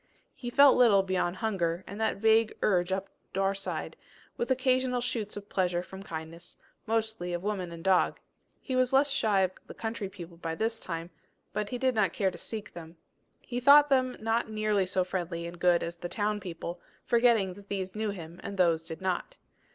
He felt little beyond hunger, and that vague urging up Daurside, with occasional shoots of pleasure from kindness, mostly of woman and dog. He was less shy of the country people by this time, but he did not care to seek them. He thought them not nearly so friendly and good as the town people, forgetting that those knew him and these did not.